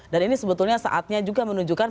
dan ini sebetulnya saatnya juga menunjukkan